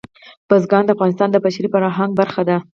بزګان د افغانستان د بشري فرهنګ برخه ده.